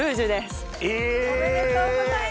おめでとうございます。